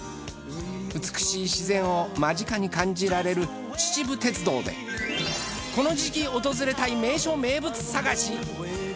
美しい自然を間近に感じられる秩父鉄道でこの時季訪れたい名所・名物探し。